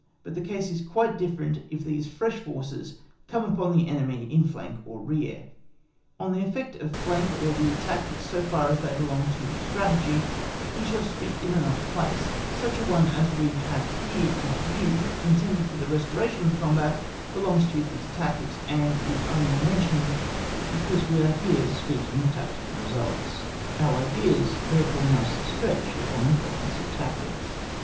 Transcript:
But the case is quite different if these fresh forces come upon the enemy in flank or rear. On the effect of flank or rear attacks so far as they belong to Strategy, we shall speak in another place: such a one as we have here in view, intended for the restoration of the combat, belongs chiefly to tactics, and is only mentioned because we are here speaking of tactical results, our ideas, therefore, must trench upon the province of tactics.